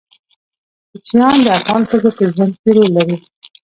کوچیان د افغان ښځو په ژوند کې رول لري.